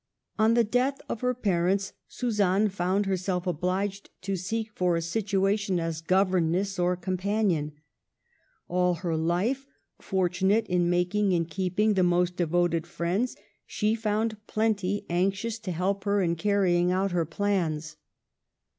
On the death of her parents, Suzanne found herself obliged to seek for a situation as gover ness, or companion. All her life, fortunate in making and keeping the most devoted friends, she found plenty anxious to help her in carrying Digitized by VjOOQLC THE MOTHER. 7 out her plans.